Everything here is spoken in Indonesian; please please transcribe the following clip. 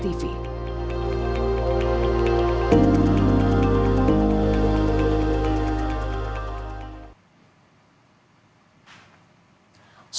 tim liputan kompas tv